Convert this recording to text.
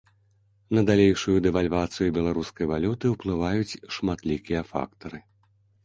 На далейшую дэвальвацыю беларускай валюты ўплываюць шматлікія фактары.